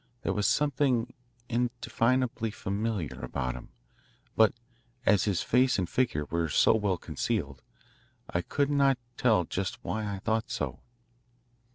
There was something indefinably familiar about him, but as his face and figure were so well concealed, I could not tell just why I thought so.